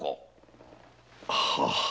⁉はあ。